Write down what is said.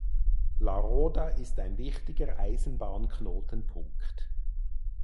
La Roda ist ein wichtiger Eisenbahnknotenpunkt.